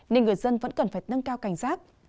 nên người dân vẫn cần phải nâng cao cảnh giác